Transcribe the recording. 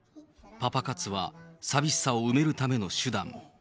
パパ活は寂しさを埋めるための手段。